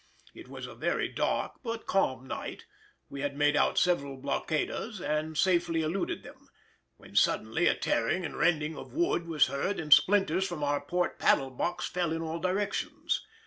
It was a very dark but calm night; we had made out several blockaders and safely eluded them, when suddenly a tearing and rending of wood was heard, and splinters from our port paddle box fell in all directions.